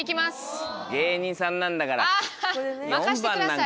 芸人さんなんだから。